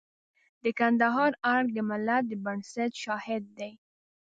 د کندهار ارګ د ملت د بنسټ شاهد دی.